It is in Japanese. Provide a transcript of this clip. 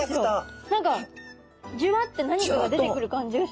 何かジュワッて何かが出てくる感じがしました。